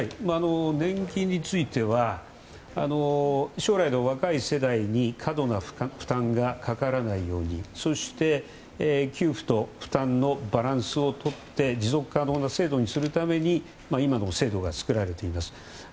年金については将来の若い世代に過度な負担がかからないようにそして給付と負担のバランスをとって持続可能な制度にするために今の制度が作られています。